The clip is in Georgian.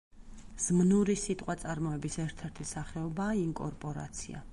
ზმნური სიტყვაწარმოების ერთ-ერთი სახეობაა ინკორპორაცია.